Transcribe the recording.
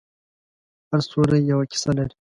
هر ستوری یوه کیسه لري.